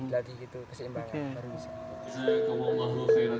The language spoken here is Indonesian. lati itu keseimbangan